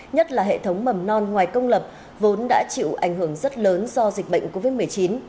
nhất là hệ thống mầm non ngoài công lập vốn đã chịu ảnh hưởng rất lớn do dịch bệnh covid một mươi chín